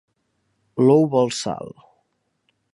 L'ou vol sal.